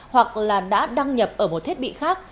hoặc là đã đăng nhập ở một thiết bị khác